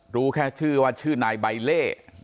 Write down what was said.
รู้แค่ชื่อว่าชื่อนายใบเล่